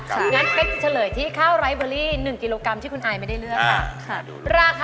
งั้นเป๊กจะเฉลยที่ข้าวไร้เบอรี่๑กิโลกรัมที่คุณอายไม่ได้เลือกค่ะ